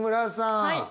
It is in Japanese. はい。